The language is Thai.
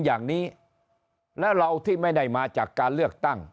อย่างนี้แล้วเราที่ไม่ได้มาจากการเลือกตั้ง